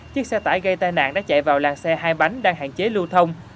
chiếc xe tải gây tai nạn đã chạy vào làng xe hai bánh đang hạn chế lưu thông